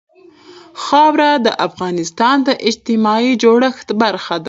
خاوره د افغانستان د اجتماعي جوړښت برخه ده.